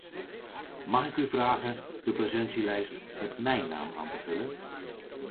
Mag ik u vragen de presentielijst met mijn naam aan te vullen?